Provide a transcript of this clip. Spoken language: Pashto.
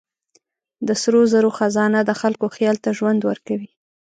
د سرو زرو خزانه د خلکو خیال ته ژوند ورکوي.